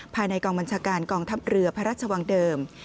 ภายในกองบัญชาการกองทัพเรือพระราชวังเดิม